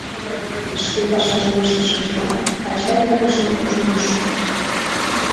Шке пашажым ыштышыжла, ача эргыжым ужын ыш шукто.